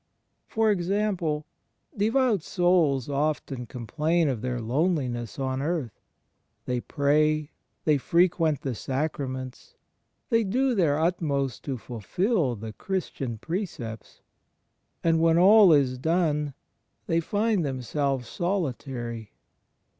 For example, devout souls often complain of their loneliness on earth. They pray, they frequent the sacraments, they do their utmost to fulfil the Christian precepts; and, when all is done, they find themselves solitary.